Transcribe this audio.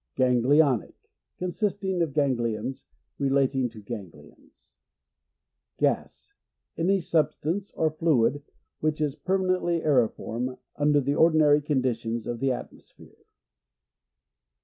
Ganglionic. — Consisting of ganglions Relating to ganglions. Gas. — Any substance or fluid which is permanently aeriform undir the ordinary conditions of the atmos phere.